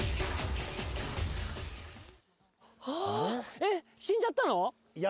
えっ、死んじゃったの？